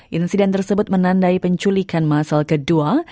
insiden tersebut menandai penculikan masal kedua